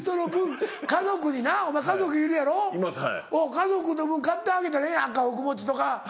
家族の分買ってあげたらええやん赤福餅とか。